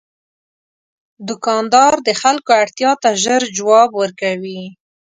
دوکاندار د خلکو اړتیا ته ژر ځواب ورکوي.